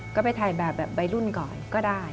ก็ไปถ่ายแบบแบบวัยรุ่นก่อนก็ได้